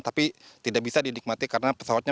tapi tidak bisa didikmati karena pesawatnya